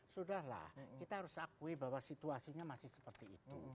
sudahlah kita harus akui bahwa situasinya masih seperti itu